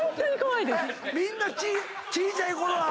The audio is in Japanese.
みんな小ちゃいころは行ってた？